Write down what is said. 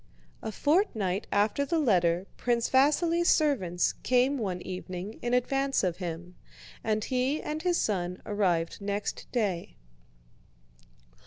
A fortnight after the letter Prince Vasíli's servants came one evening in advance of him, and he and his son arrived next day.